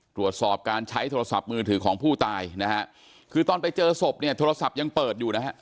ตรวจสอบการใช้โทรศัพท์มือถือของผู้ตายนะฮะคือตอนไปเจอศพเนี่ยโทรศัพท์ยังเปิดอยู่นะฮะ